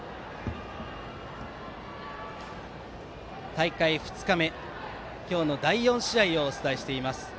大会２日目、今日の第４試合をお伝えしています。